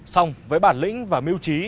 xong với bản lĩnh và miêu trí